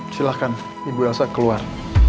silakan ibu elsa keluar